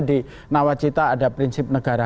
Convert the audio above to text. di nawacita ada prinsip negara